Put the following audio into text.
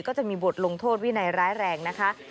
ก็จะมีบทลงโทษวินัยร้ายแรงนะคะ